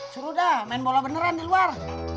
surudah main bola beneran di luar